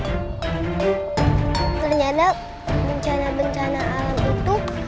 ternyata bencana bencana alam itu